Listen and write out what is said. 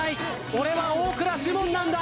俺は大倉士門なんだ！